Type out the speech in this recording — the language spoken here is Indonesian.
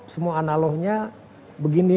semua analognya begini